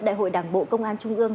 đại hội đảng bộ công an trung ương